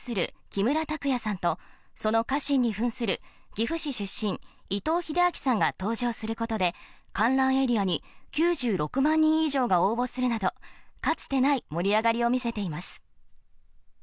木村拓哉さんと、その家臣にふんする岐阜市出身、伊藤英明さんが登場することで、観覧エリアに９６万人以上が応募するなど、かつてない盛り上がりを見せています。